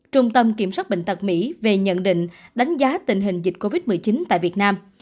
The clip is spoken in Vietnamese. trung tâm kiểm soát bệnh tật mỹ về nhận định đánh giá tình hình dịch covid một mươi chín tại việt nam